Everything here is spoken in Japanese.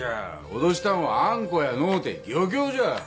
脅したんはあん子やのうて漁協じゃ！